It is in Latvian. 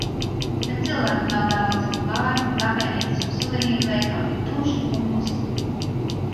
Bet cilvēku nav daudz. Bāri, kafejnīcas un suvenīru veikali ir tumši un klusi.